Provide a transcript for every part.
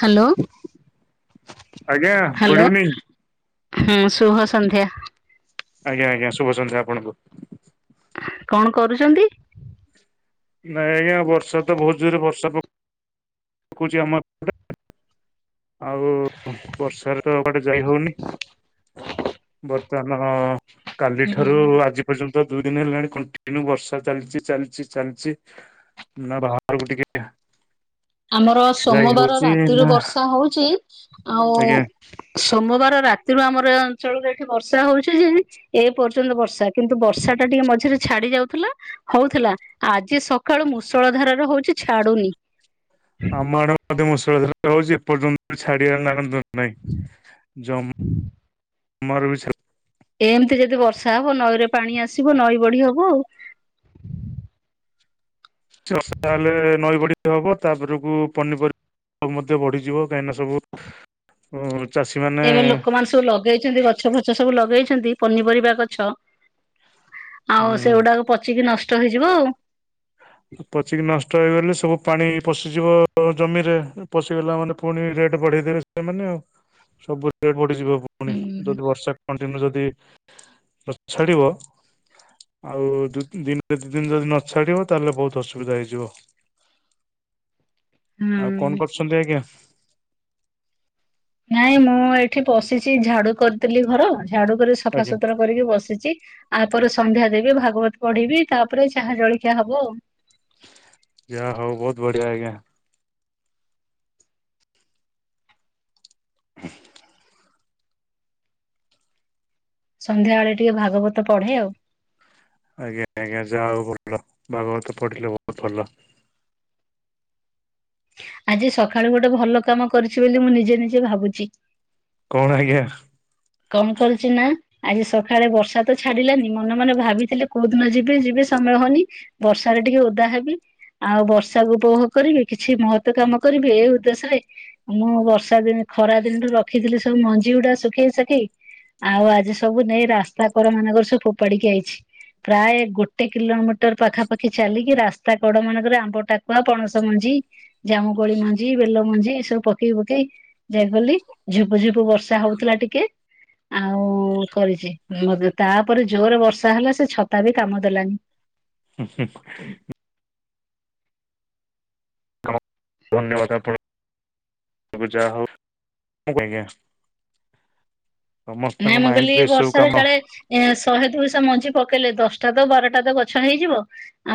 Hello. ଆଜ୍ଞା hello good evening. ହୁଁ ସୁୁଭ ସନ୍ଧ୍ୟା। ଆଜ୍ଞା ଆଜ୍ଞା ଶୁଭ ସନ୍ଧ୍ୟା ଆପଣଙ୍କୁ। କଣ କରୁଛନ୍ତି? ନାଇଁ ଆଜ୍ଞା ବର୍ଷାତ ବହୁତ୍ ଜୋରେ ବର୍ଷା ପ କଉଚି ଆମ ଆଉ ବସ୍ ବର୍ଷାରେ ତ କୁଆଡେ ଯାଇ ହଉନି। ବର୍ତ୍ତମାନ ହୁଁ କାଲିଠାରୁ ଆଜି ପର୍ଯ୍ୟନ୍ତ ଦୁଇ ଦିନି ହେଲାଣି କଣ୍ଟିନ୍ୟୁ ବର୍ଷା ଚାଲିଚି ଚାଲିଚି ଚାଲିଚି। ନା ବାହାରକୁ ଟିକେ ଆମର ଯାଇ ସୋମବାର ହଉଛି ରାତିରୁ ନା ବର୍ଷା ହଉଚି ଆଉ ଆଜ୍ଞା ସୋମବାର ରାତିରୁ ଆମର ଏ ଅଞ୍ଚଳରେ ଏଠି ବର୍ଷା ହଉଚି ଯେ ଏ ପର୍ଯ୍ୟନ୍ତ ବର୍ଷା। କିନ୍ତୁ ବର୍ଷା ଟା ଟିକେ ମଝିରେ ଛାଡି ଯାଉଥିଲା। ହଉଥିଲା। ଆଜି ସକାଳୁ ମୁଷଳ ଧାରାର ହଉଚି ଛାଡୁନି। ଆମ ଆଡେ ମଧ୍ୟ ମୁଷଳ ଧାରାରେ ହଉଚି ଏପର୍ଯ୍ୟନ୍ତ ଛାଡିବାରେ ନା ଗନ୍ଧ ଧରୁ ନାଇଁ। ଜମ୍ ମା ରୁ ବି ଛାଡୁ ଏମତି ଯଦି ବର୍ଷା ହବ ନଈରେ ପାଣି ଆସିବ ନଈ ବଢି ହବ ଆଉ। [unintelligible] ହେଲେ ନଈ ବଢ଼ି ହବ। ତାପରକୁ ପନିପରିବା ମଧ୍ୟ ବଢିଯିବ। କାହିଁକିନା ସବୁ ଉ ଚାଷୀମାନେ ଏବେ ଲୋକମାନେ ସବୁ ଲଗେଇଚନ୍ତି ଗଛ ଫଛ ସବୁ ଲଗେଇଛନ୍ତି ପନିପରିବା ଗଛ ଆଉ ଉଁ ସେଗୁଡାକ ପଚିକି ନଷ୍ଟ ହେଇଯିବ ଆଉ। ପଚିକି ନଷ୍ଟ ହେଇଗଲେ ସବୁ ପାଣି ପଶିଯିବ ଜମିରେ। ପଶିଗଲା ମାନେ ଫୁଣି ରେଟ୍ ବଢେଇ ଦେବେ ସେମାନେ ଆଉ। ସବୁ ରେଟ୍ ବଢିଯିବ ପୁଣି ହୁଁ। ଯଦି ବର୍ଷା କଣ୍ଟିନ୍ୟୁ ଯଦି ନ ଛାଡିବ ଆଉ ଦୁଇ ତିନି ଦିନ କେତେ ଦିନ ରେ ଯଦି ନଛାଡିବ ତାହେଲେ ବହୁତ ଅସୁବିଧା ହେଇଯିବ। ଆଉ ହୁଁ କଣ କରୁଛନ୍ତି ଆଜ୍ଞା? ନାଇଁ ମୁଁ ଏଇଠି ବସିଚି। ଝାଡୁ କରୁଥିଲି ଘର, ଝାଡୁ କରି ଆଜ୍ଞା ସଫାସୁତୁରା କରିକି ବସିଚି। ଆପରେ ସନ୍ଧ୍ୟା ଦେବି ଭାଗବତ ପଢିବି ତାପରେ ଚାହା ଜଳଖିଆ ହବ ଆଉ। ଯା ହଉ ବହୁତ୍ ବଢିଆ ଆଜ୍ଞା। [inaudible] ସନ୍ଧ୍ୟାବେଳେ ଟିକେ ଭାଗବତ ପଢେ ଆଉ। ଆଜ୍ଞା ଆଜ୍ଞା। ଯାହା ହଉ ଭ। ଭାଗବତ ପଢିଲେ ବହୁତ୍ ଭଲ। ଆଜି ସକାଳୁ ଗୋଟେ ଭଲ କାମ କରିଚି ବୋଲି ମୁଁ ନିଜେ ନିଜେ ଭାବୁଚି। କଣ ଆଜ୍ଞା? କଣ କରୁଚି ନା ଆଜି ସକାଳେ ବର୍ଷା ତ ଛାଡିଲାନି। ମନେ ମନେ ଭାବିଥିଲେ କୋଉ ଦିନ ଯିବି ଯିବି ସମୟ ହଉନି। ବର୍ଷାରେ ଟିକେ ଓଦା ହେବି। ଆଉ ବର୍ଷାକୁ ଉପଭୋଗ କରିବି। କିଛି ମହତ୍ଵ କାମ କରିବି ଏ ଉଦ୍ଦେଶ୍ୟରେ ମୁଁ ବର୍ଷା ଦିନ୍ ଖରା ଦିନଠୁ ରଖିଥିଲି ସବୁ ମଞ୍ଜି ଗୁଡା ଶୁଖେଇ ସା ଆଉ ଆଜି ସବୁ ନେଇ ରାସ୍ତା କର ମାନଙ୍କରେ ସବୁ ଫୋପାଡିକି ଆଇଚି। ପ୍ରାୟ ଗୋ ଗୋଟେ କିଲୋମିଟର ପାଖାପାଖି ଚାଲିକି ରାସ୍ତା କଡ ମାନଙ୍କରେ ଆମ୍ବ ଟାକୁଆ ପଣସ ମଞ୍ଜି ଜାମୁକୋଳି ମଞ୍ଜି, ବେଲ ମଞ୍ଜି ଏସବୁ ପକେଇ ପକେଇ ଯାଏ ଗ। ଝୁପୁ ଝୁପୁ ବର୍ଷା ହଉଥିଲା ଟିକେ ଆଉ କରିଛି ମଧ୍ଯ। ତାପରେ ଜୋରେ ବର୍ଷା ହେଲା ସେ ଛତା ବି କାମ ଦେଲାନି। [unintelligible] ଧନ୍ୟବାଦ ଆପଣଙ୍କୁ। ଯାହା ହଉ। [unintelligible] ସମସ୍ତଙ୍କ ନାଇଁ ମୁଁ କହିଲି ମାଇଣ୍ଡରେ ଏସବୁ ବର୍ଷାରେ କାମ କାଳେ ଏ ଶହେ ଦୁଇଶହ ମଞ୍ଜି ପକେଇଲେ ଦଶଟା ତ ବାରଟା ତ ଗଛ ହେଇଯିବ।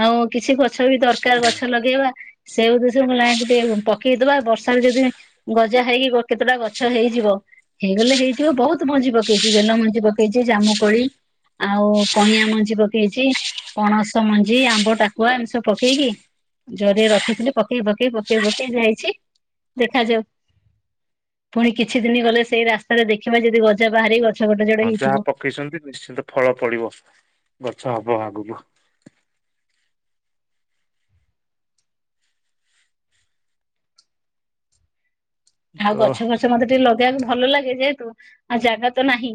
ଆଉ କିଛି ଗ ଗଛ ବି ଦରକାର ଗଛ ଲଗେଇବା। ସେ ଉଦ୍ଦେଶ୍ୟ ରେ ମୁଁ ନାଇ ଟିକେ ପକେଇଦବା। ବର୍ଷାରେ ଯଦି ଗଜା ହେଇକି କେତେଟା ଗଛ ହେଇଯିବ। ହେଇଗଲେ ହେଇଯିବ ବହୁତ୍ ବହୁତ୍ ମଞ୍ଜି ପକେଇଚି। ବେଲ ମଞ୍ଜି ପକେଇଚି ଜାମୁକୋଳି ଆଉ କଇଁଆ ମଞ୍ଜି ପକେଇଚି। ପଣସ ମଞ୍ଜି, ଆମ୍ବ ଟାକୁଆ ଏମିତି ସବୁ ପକେଇକି ଜରିରେ ରଖିଥିଲି ପକେଇ ପକେଇ ପକେଇ ପକେଇ ଯାଇଛି। ଦେଖାଯାଉ। ପୁଣି କିଛି ଦିନ ଗଲେ ସେଇ ରାସ୍ତାରେ ଦେଖିବା ଯଦି ଗଜା ବାହାରି ଗ ହଁ ଯାହା ପକେଇଛନ୍ତି ନିଶ୍ଚିନ୍ତ ଫଳ ଫଳିବ। ଗଛ ହବ ଆଗକୁ। ଆଉ ତ ଗଛ ଫଛ ମତେ ଟିକେ ଲଗ ଇବାକୁ ଭଲ ଲାଗେ ଯେହେତୁ, ଆଉ ଜାଗା ତ ନାହିଁ।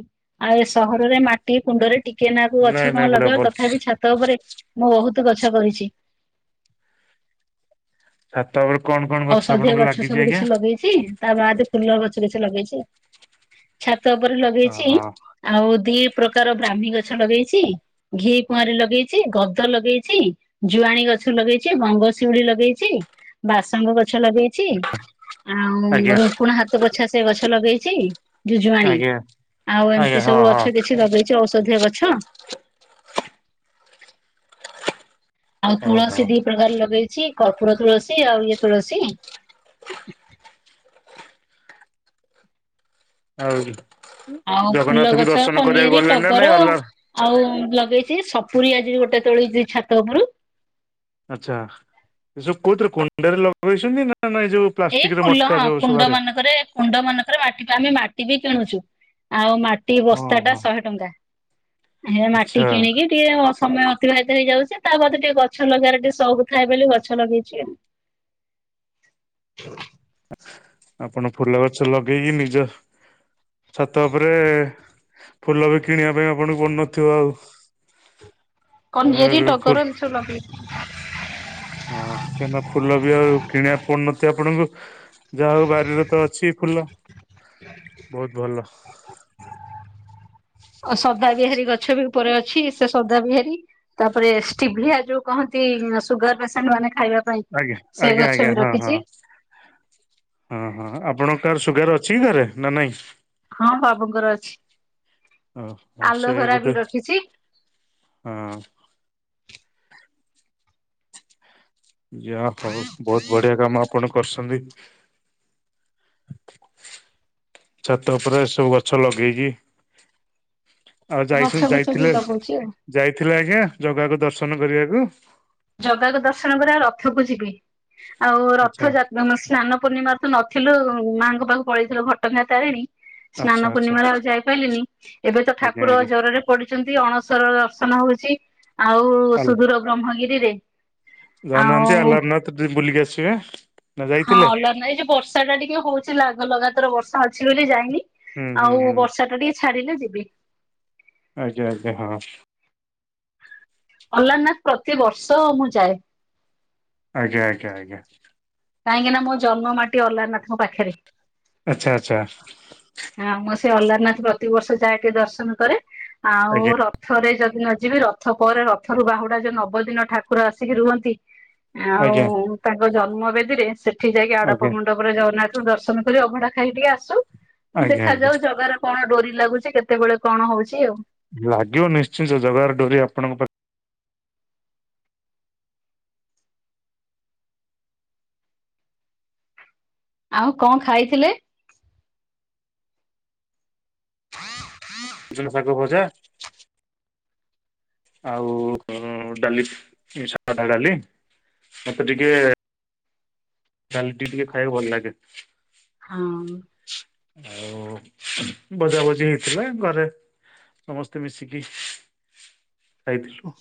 ଆଉ ସହରରେ ମାଟି କୁଣ୍ଡରେ ଟି କେନାକୁ ନାଇଁ ଗଛ ନାଇଁ କଣ ଭଲ ଲଗେଇବ। ଭଲ ତଥାପି ଛାତ ଉପରେ ମୁଁ ବହୁତ ଗଛ କରିଛି। ଛାତ ଉପରେ କଣ କଣ ଗଛ ଔଷଧୀୟ ଆପଣଙ୍କ ସବୁ ଲାଗିଚି କିଛି ଆଜ୍ଞା? ଲଗେଇଛି ତା ବାଦ ଫୁଲ ଗଛ କିଛି ଲଗେଇଚି। ଛାତ ଉପରେ ଲଗେଇଚି ଓହୋ ଆଉ ଦି ପ୍ରକାର ବ୍ରାହ୍ମୀ ଗଛ ଲଗେଇଚି। ଘିକୁଆଁରୀ ଲଗେଇଚି ଗଦ ଲଗେଇଚି ଜୁଆଣୀ ଗଛ ଲଗେଇଚି ଗଙ୍ଗଶିଉଳି ଲଗେଇଚି ବାସଙ୍ଗ ଗଛ ଲଗେଇଚି ଆଜ୍ଞା ଆଉ ରୁକୁଣା ହାତ ପୋଛା ସେ ଗଛ ଲଗେଇଚି ଯଉ ଜୁଆଣୀ ଆଜ୍ଞା ଆଉ ଆଜ୍ଞା ଏମିତି ହଁ ସବୁ ହଁ ଗଛ କିଛି ଲଗେଇଚି ଔଷଧୀୟ ଗଛ। ଆଉ ତୁଳସୀ ଓହୋ। ଦି ପ୍ରକାର ଲଗେଇଚି କର୍ପୁର ତୁଳସୀ ଆଉ ଇଏ ତୁଳସୀ। ଆଉ ଆଉ ଫୁଲ ଜଗନ୍ନାଥଙ୍କୁ ଗଛ ଦର୍ଶନ କରିବାକୁ କନିଆରୀ ଗଲେଣି ନା ଟଗର ନାଇଁ ଅଲାର୍? ଆଉ ଉଁ -ଲଗେଇଚି ସପୁରୀ ଆଜି ଗୋଟେ ତୋଳିଚି ଛାତ ଉପରୁ। ଆଚ୍ଛା ଏସବୁ କୋଉଥିରେ କୁଣ୍ଡରେ ଲଗେଇଚନ୍ତି ନା- ନା ଏ ଯଉ ଏଇ ଫୁଲ ହଁ କୁଣ୍ଡ ମାନଙ୍କରେ କୁଣ୍ଡ ମାନଙ୍କରେ ମାଟି ଆମେ ମାଟି ବି କିଣୁଚୁ ଆଉ ମାଟି ହଁ ବସ୍ତା ଟା ହଁ ଶହେ ଟଙ୍କା। ହେ ମାଟି ଆଚ୍ଛା କିଣିକି ଟିକେ ସମୟ ଅତିବାହିତ ହେଇଯାଉଚି ତା ବଧେ ଟିକେ ଗଛ ଲଗେଇବାରେ ଟିକେ ସଉକ ଥାଏ ବୋଲି ଗଛ ଲଗେଇଚି ଆଉ। [inaudible] ଆପଣ ଫୁଲ ଗଛ ଲଗେଇକି ନିଜ ଛାତ ଉପରେ ଫୁଲ ବି କିଣିବା ପାଇଁ ଆପଣଙ୍କୁ ପଡୁନଥିବ ଆଉ। କାହିଁକିନା କନିୟରି, ଫୁଲ ଟଗର, ଏମିତି ସବୁ ଲଗେଇଚି। ହଁ କିମ୍ବା ଫୁଲ ବି ଆଉ କିଣିବାକୁ ପଡୁନଥିବ ଆପଣଙ୍କୁ। ଯାହା ହଉ ବାରିରେ ତ ଅଛି ଫୁଲ ବହୁତ୍ ଭଲ। ଆଉ ସଦା ବିିହାରୀ ଗଛ ବି ଉପରେ ଅଛି ସେ ସଦା ବିହାରୀ। ତାପରେ ଷ୍ଟିଭିଆ ଯଉ କହନ୍ତି ସୁଗାର୍ ପେସେଣ୍ଟ୍ ମାନେ ଖାଇବା ପାଇଁ ଆଜ୍ଞା- ସେ ଆଜ୍ଞା- ଗଛ ବି ଆଜ୍ଞା ହଁ ରଖିଛି -ହଁ। ହଁ -ହଁ ଆପଣଙ୍କ କାର୍ ସୁଗାର୍ ଅଛି କି ଘରେ ନା ନାଇଁ? ହଁ ବାବୁଙ୍କର ଅଛି ଓ ହଁ ସେ ଆଲୋଭେରା ବୋଧେ ବି ରଖିଚି। ହଁ। ଯା ହଉ ବହୁତ୍ ବଢିଆ କାମ ଆପଣ କରୁସନ୍ତି। ଛାତ ଉପରେ ଏସବୁ ଗଛ ଲଗେଇକି। ଆଉ ଗଛ ଯାଇସୁନ୍- ଫଛ ବି ଯାଇଥିଲେ ଲଗଉଛି ଆଉ -ଯାଇଥିଲେ ଆଜ୍ଞା ଜଗାକୁ ଦର୍ଶନ କରିବାକୁ? ଜଗାକୁ ଦର୍ଶନ କରିବାକୁ ରଥକୁ ଯିବି ଆଉ ଆଚ୍ଛା ରଥ ଯାତ୍ ଯଉଦିନ ସ୍ନାନ ପୂର୍ଣ୍ଣିମାରେ ତ ନଥିଲୁ ମାଙ୍କ ପାଖୁ ପଳେଇଥିଲୁ ଘଟଗାଁ ତାରିଣୀ। ଆଚ୍ଛା ସ୍ନାନ ଆଚ୍ଛା ପୂର୍ଣ୍ଣିମାରେ ଆଉ ଯାଇପାଇଲିନି ଏବେ ତ ଆଜ୍ଞା ଠାକୁର ଆଜ୍ଞା ଜ୍ୱରରେ ପଡିଚନ୍ତି ଅଣସର ଦର୍ଶନ ହଉଚି ଆଉ ଆ ସୁଦୂର ବ୍ରହ୍ମଗିରିରେ ଯାଉନାହାନ୍ତି ଆଉ ଆଲାରନାଥ୍ ଟିକେ ବୁଲିକି ଆସିବେ। ନା ହଁ ଯାଇଥିଲେ ଅଲାର୍- ନାଁଇ ଯଉ ବର୍ଷା ଟା ଟିକେ ହଉଚି ଲଗାତାର ବର୍ଷା ଅଛି ବୋଲି ଯାଇନି। ହୁଁ ହୁଁ ଆଉ ହୁଁ ବର୍ଷା ଟା ଟିକେ ଛାଡିଲେ ଯିବି। ଆଜ୍ଞା -ଆଜ୍ଞା -ହଁ। ଆଲାରନାଥ୍ ପ୍ରତିିବର୍ଷ ମୁଁ ଯାଏ। ଆଜ୍ଞା- ଆଜ୍ଞା -ଆଜ୍ଞା। କାହିଁକି ନା ମୋ ଜନ୍ମ ମାଟି ଅଲାରନାଥଙ୍କ ପାଖେରେ। ଆଚ୍ଛା ଆଚ୍ଛା। ହଁ- ମୁଁ ସେ ଅଲାରନାଥ୍ ପ୍ରତିବର୍ଷ ଯାଏ ଟିକେ ଦର୍ଶନ କରେ। ଆଉ ଆଜ୍ଞା ରଥରେ ଯଦି ନ ଯିବି ରଥ୍ ରଥ ପରେ ରଥରୁ ବାହୁଡା ଯଉ ନବ ଦିନ ଠାକୁର ଆସିକି ରୁହନ୍ତି ଆଉ ଆଜ୍ଞା ତାଙ୍କ ଜନ୍ମ ବେଦୀରେ ସେଠି ଯାଇକି ଆଡପ ଆଜ୍ଞା ଆଜ୍ଞା ମଣ୍ଡପରେ ଜଗନ୍ନାଥଙ୍କୁ ଦର୍ଶନ କରି ଅଭଡା ଖାଇକି ଟିକେ ଆସୁ। ଆଜ୍ଞା ଦେଖାଯାଉ ଜଗାର କଣ ଡୋରି ଲାଗୁଚି କେତେବେଳେ କଣ ହଉଚି ଆଉ। ଲାଗିବ ନିଶ୍ଚିନ୍ତ ଜଗାର ଡୋରି ଆପଣଙ୍କ ପାଖ୍ ଆଉ କଣ୍ ଖାଇଥିଲେ? ହଁ ହଁ। ସୁଜୁନା ଶାଗ ଭଜା। ଆଉ ଡାଲି ସାଧା ଡାଲି ମତେ ଟିକେ ଡାଲି ଟିକେ ଟିକେ ଖାଇବାକୁ ଭଲ୍ ଲାଗେ। ହଁ। ଆଉ ଭଜା ଭଜି ହେଇଥିଲା ଘରେ। ସମସ୍ତେ ମିଶିକି ଖାଇଥିଲୁ।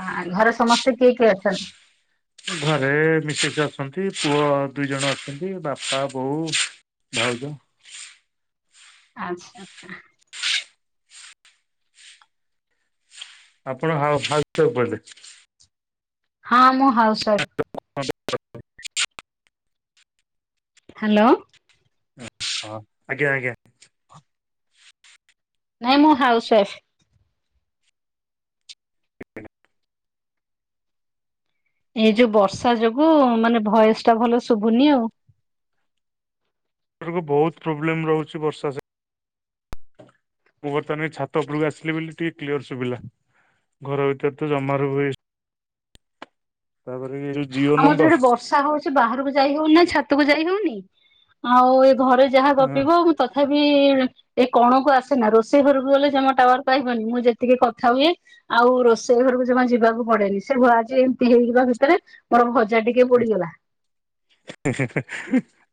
ଆ ଘରେ ସମସ୍ତେ କିଏ କିଏ ଅଛନ୍ତି। ଘରେ ମିସେସ୍ ଅଛନ୍ତି ପୁଅ ଦୁଇ ଜଣ ଅଛନ୍ତି ବାପା ବୋଉ। ଭାଉଜ। ଆଚ୍ଛା ଆଚ୍ଛା। ଆପଣ ହାଉସ ହାଉସ୍ ୱଇଫ୍ ବୋଧେ। ହଁ ମୁଁ ହାଉସ୍ ୱଇଫ୍। [unintelligible] ହାଲୋ। ହଁ ଆଜ୍ଞା ଆଜ୍ଞା। ନାଇଁ ମୁଁ ହାଉସୱାଇଫ୍। ଏ ଯୋଉ ବର୍ଷା ଯୋଗୁ ମାନେ ଭୋଇସ ଟା ଭଲ ଶୁଭୁନି ଆଉ। କ ବହୁତ ପ୍ରୋବ୍ଲେମ ରହୁଛି ବର୍ଷା ସ ମୁଁ ବର୍ତ୍ତମାନ ଏଇ ଛାତ ଉପରକୁ ଆସିଲି ବୋଲି ଟିକେ କ୍ଲିୟର ଶୁଭିଲା। ଘର ଭିତରେ ତ ଜମାରୁ ବି ତାପରେ ଏ ଯୋଉ ଜିଓ ଆମର ଯୋଉଠି ନମ୍ବର। ବର୍ଷା ହଉଛି ବାହାରକୁ ଯାଇ ହଉନି ଛାତକୁ ଯାଇ ହଉନି ଆଉ ଏ ଘରେ ଯାହା ଗପିବ। ତଥାପି। ଏ କଣକୁ ଆସେନା ରୋଷେଇ ଘରକୁ ଗଲେ ଜମା ଟାୱାର କ ପାଇବନି ମୁଁ ଯେତିକି କଥା ହୁଏ। ଆଉ ରୋଷେଇ ଘରକୁ ଯମା ଯିବାକୁ ପଡେନି ସେ ହୁଏ ଆଜି ଏମିତି ହେଇଯିବା ଭିତରେ। ମୋର ଭଜା ଟିକେ ପୋଡିଗଲା।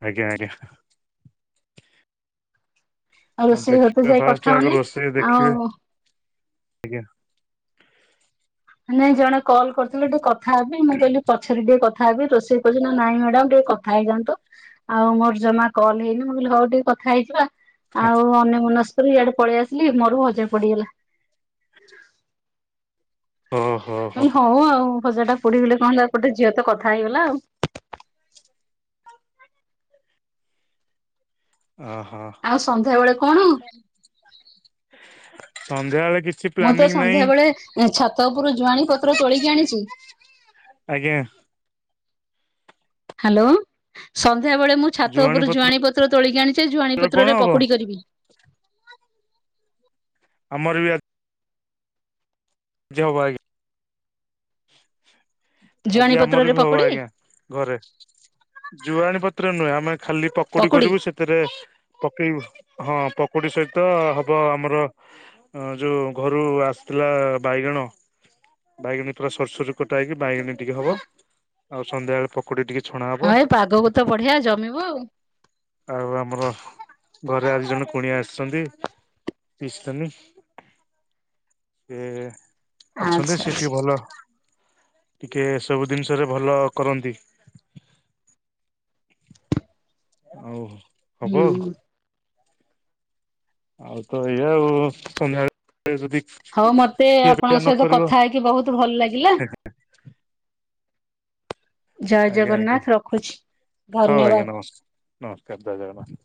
ଆଜ୍ଞା ଆଜ୍ଞା। ଆଉ ନା ରୋଷେଇ ଘର ତ ଦେଖିବା ଯାଇ କଥା ଫାଷ୍ଟ ଆଗ ହଉନି ରୋଷେଇ ଦେଖିବେ ଆଉ ଆଜ୍ଞା। ନାଇଁ ଜଣେ କଲ୍ କରିଥିଲେ ଟିକେ କଥା ହେବି ମୁଁ କହିଲି। ପଛରେ ଟିକେ କଥା ହେବି ରୋଷେଇ କରୁଛି ନା ନାଇଁ ମ୍ୟାଡାମ ଟିକେ କଥା ହେଇ ଯାଆନ୍ତୁ। ଆଉ ମୋର ଜମା କଲ ହେଇନି ମୁଁ କହିଲି ହଉ ଟିକେ କଥା ହେଇଯିବା। ଆଉ ଅନ୍ୟ ମନସ୍କରେ ଇଆଡେ ପଳେଇ ଆସିଲି ମୋର ଭଜା ପୋଡିଗଲା। ଓ ହୋ। ମୁଁ ହୋ। କହିଲି ହଉ ଆଉ ଭଜା ଟା ପୋଡି ଗଲେ କଁ ହେଲା ଗୋଟେ ଝିଅ ତ କଥା ହେଇଗଲା ଆଉ। ଅ ହ। ଆଉ ସନ୍ଧ୍ୟାବେଳେ କଣ। ସନ୍ଧ୍ୟାବେଳେ କି ମୁଁ ତ ସନ୍ଧ୍ୟା ବେଳେ ଛାତ ଉପରୁ ଜୁଆଣୀ ପତ୍ର ତୋଳିକି ଆଣିଛି। ଆଜ୍ଞା। ହାଲୋ ସନ୍ଧ୍ୟା ବେଳେ ମୁଁ ଛାତ ଉପରୁ ଜୁଆଣୀ ପତ୍ର ତୋଳିକି ଆଣିଛି ଝୁଆଣି କଣ ପତ୍ରରେ ହବ ପକୋଡ଼ି କରିବି। ଆମର ବି ଆ ଜି ହବ ଆ ଜୁଆଣି ଆଜି ଆମର ପତ୍ରରେ ବି ହବ ପକୁଡି ଆଜ୍ଞା। ଘରେ ଜୁଆଣି ପତ୍ର ନୁହେଁ ଆମେ ଖାଲି ପକୋଡି ପକୁଡି କରିବୁ ସେ ସେଥିରେ ପକେଇ ବୁ ହଁ ପକୁୋଡି ସହିତ ହବ ଆମର ଅଁ ଯୋଉ ଘରୁ ଆସୁଥିଲା ବାଇଗଣ। ବାଇଗିଣି ପୁର ସରୁ ସରୁ କଟା ହେଇକି ବାଇଗିଣି ଟିକେ ହବ ଆଉ ସନ୍ଧ୍ୟା ବେଳେ ପ କୁଡି ଟିକେ ଛଣା ହ ହଁ ଏ ପାଗକୁ ତ ବଢିଆ ଜମିବ ଆଉ। ଆଉ ଆମର ଘରେ ଆଜି ଜଣେ କୁଣିଆ ଆସିଛନ୍ତି। ପିଇଶି ନାନି ଏ ଅଛନ୍ତି ଆଚ୍ଛା ସେ ଆଚ୍ଛା ଟିକେ ଭଲ ଟିକେ ଏ ସବୁ ଜିନିଷରେ ଭଲ କରନ୍ତି। ହୋଉ ହବ। ହୁଁ ଆଉ ତ ଏଇଆ ଆଉ ସନ୍ଧ୍ୟାବେଳେ ଯଦି ହଉ ମତେ ଖିଆ ପିଆ ଆପଣଙ୍କ ନ ସହିତ କରିବ କଥା ହେଇକି ବହୁତ ଭଲ ଲାଗିଲା। ଜୟ ଆଜ୍ଞା ଆଜ୍ଞା ଜଗନ୍ନାଥ ରଖୁଛି ହଉ ଧନ୍ୟବାଦ। ଆଜ୍ଞା ନମସ୍ ନମସ୍କାର ଜୟ ଜଗନ୍ନାଥ।